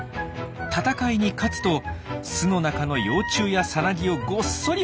戦いに勝つと巣の中の幼虫やさなぎをごっそり持ち帰ります。